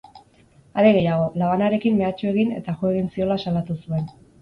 Are gehiago, labanarekin mehatxu egin eta jo egin ziola salatu zuen.